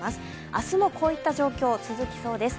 明日もこういった状況、続きそうです。